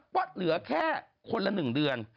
ว่าเหลือแค่คนละ๑เดือน